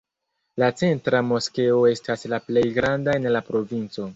La centra moskeo estas la plej granda en la provinco.